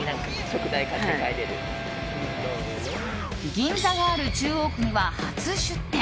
銀座がある中央区には初出店。